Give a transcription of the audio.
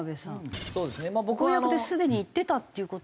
公約ですでに言ってたっていう事は。